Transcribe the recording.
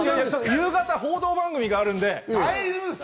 夕方、報道番組があるんで。